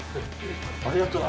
ありがとな。